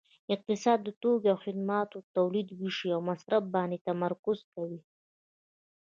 اقتصاد د توکو او خدماتو تولید ویش او مصرف باندې تمرکز کوي